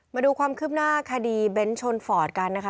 มาดูความคืบหน้าคดีเบ้นชนฟอร์ดกันนะคะ